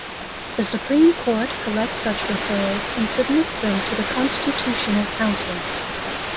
The supreme court collects such referrals and submits them to the Constitutional Council.